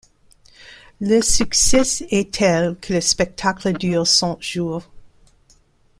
Le succès est tel que le spectacle dure cent jours.